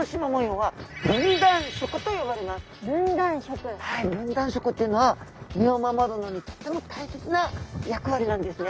はい分断色っていうのは身を守るのにとっても大切な役割なんですね。